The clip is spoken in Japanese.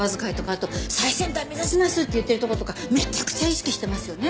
あと「最先端目指します！」って言ってるとことかめちゃくちゃ意識してますよね？